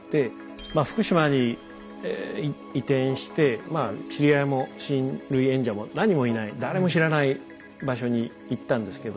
まあ福島に移転してまあ知り合いも親類縁者も何もいない誰も知らない場所に行ったんですけど。